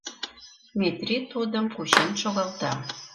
Метри тудым кучен шогалта.